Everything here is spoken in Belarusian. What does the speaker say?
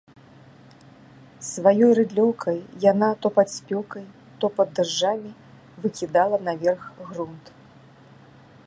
Сваёй рыдлёўкай яна то пад спёкай, то пад дажджамі выкідала наверх грунт.